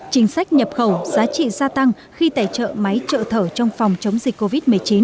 chính sách nhập khẩu giá trị gia tăng khi tài trợ máy trợ thở trong phòng chống dịch covid một mươi chín